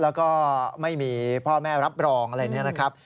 แล้วก็ไม่มีพ่อแม่รับรองอะไรเนี่ยนะครับ